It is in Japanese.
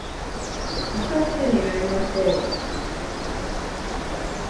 あさってに会いましょう